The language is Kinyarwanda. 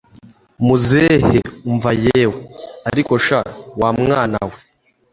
muzehe umva yewe! ariko sha wamwana we